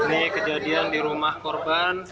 ini kejadian di rumah korban